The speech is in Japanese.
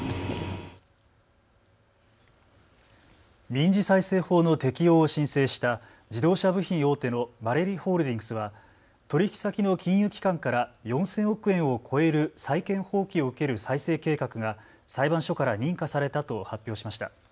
民事再生法の適用を申請した自動車部品大手のマレリホールディングスは取引先の金融機関から４０００億円を超える債権放棄を受ける再生計画が裁判所から認可されたと発表しました。